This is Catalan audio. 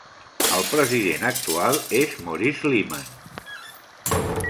El president actual és Maurice Limmen.